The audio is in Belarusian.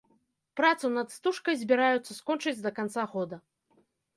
Працу над стужкай збіраюцца скончыць да канца года.